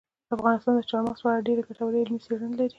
افغانستان د چار مغز په اړه ډېرې ګټورې علمي څېړنې لري.